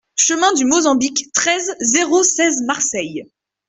Chemin du Mozambique, treize, zéro seize Marseille